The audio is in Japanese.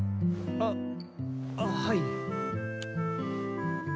あっはい。